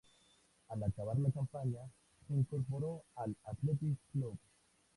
Al acabar la campaña, se incorporó al Athletic Club.